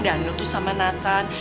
daniel tuh sama nathan